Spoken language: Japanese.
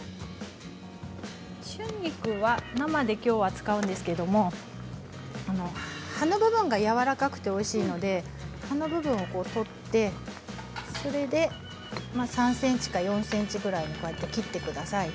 春菊は生で、きょうは使うんですけれども葉の部分がやわらかくておいしいので、葉の部分を取って３ｃｍから４ｃｍぐらいに切ってください。